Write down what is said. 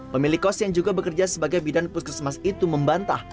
pemilik kos yang juga bekerja sebagai bidan puskesmas itu membantah